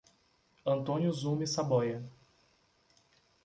Antônio Zume Saboia